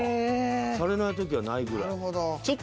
されない時はないぐらい。